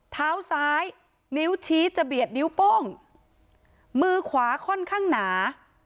เท้าซ้ายนิ้วชี้จะเบียดนิ้วโป้งมือขวาค่อนข้างหนา